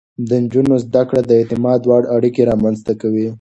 د نجونو زده کړه د اعتماد وړ اړيکې رامنځته کوي.